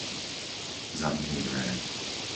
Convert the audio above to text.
Zamkni dvere.